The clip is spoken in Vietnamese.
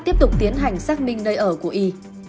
tiếp tục tiến hành xác minh nơi ở của y